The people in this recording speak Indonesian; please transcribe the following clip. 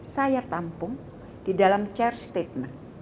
saya tampung di dalam chair statement